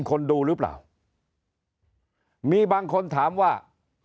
คนดูหรือเปล่ามีบางคนถามว่า